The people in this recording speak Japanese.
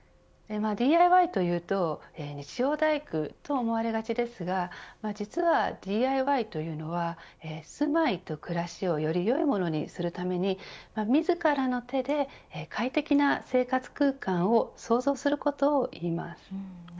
ＤＩＹというと日曜大工と思われがちですが実は、ＤＩＹというのは住まいと暮らしをよりよいものにするために自らの手で快適な生活空間を創造することをいいます。